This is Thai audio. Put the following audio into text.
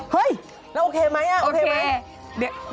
เฮ้ยเราโอเคไหมโอเคไหม